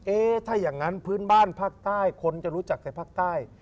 เอ๊ะถ้าอย่างนั้นพื้นบ้านภาคใต้คนจะรู้จักในภาคใต้